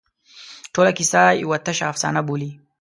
ټوله کیسه یوه تشه افسانه بولي.